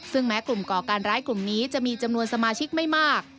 ซึ่งแม้กลุ่มก่อการร้ายกลุ่มนี้จะมีจำนวนสมาชิกไม่มาก